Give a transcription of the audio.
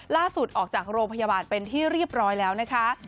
ล่าสุดออกจากโรงพยาบาลเป็นที่เรียบร้อยแล้วนะคะ